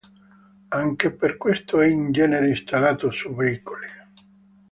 Anche per questo è in genere installato su veicoli.